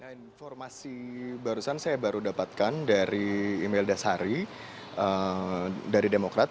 informasi barusan saya baru dapatkan dari email dasari dari demokrat